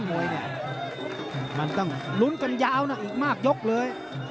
มันต้องลุ้นกันยาวนะอีกมากยกเลย